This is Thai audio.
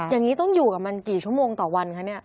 อย่างนี้ต้องอยู่กับมันกี่ชั่วโมงต่อวันคะเนี่ย